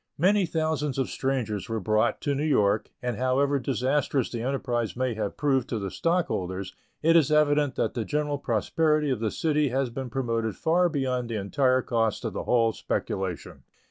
Many thousands of strangers were brought to New York, and however disastrous the enterprise may have proved to the stockholders, it is evident that the general prosperity of the city has been promoted far beyond the entire cost of the whole speculation.